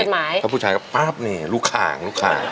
เพราะผู้ชายก็ปั๊บนี่ลูกข่างลูกข่าง